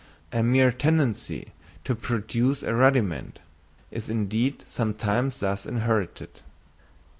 A mere tendency to produce a rudiment is indeed sometimes thus inherited.